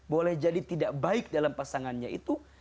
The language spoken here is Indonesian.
boleh jadi tidak baik dalam pasangannya itu